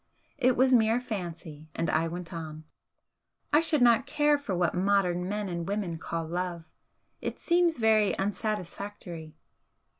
It was mere fancy, and I went on "I should not care for what modern men and women call love. It seems very unsatisfactory."